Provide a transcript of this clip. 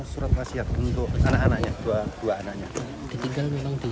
surat wasiat untuk anak anaknya dua anaknya